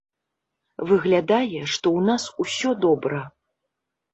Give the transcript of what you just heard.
Выглядае, што ў нас усё добра.